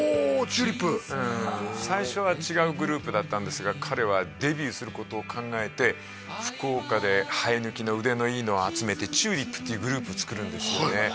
チューリップうん最初は違うグループだったんですが彼はデビューすることを考えて福岡で生え抜きの腕のいいのを集めてチューリップっていうグループを作るんですよね